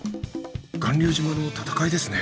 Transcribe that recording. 巌流島の戦いですね。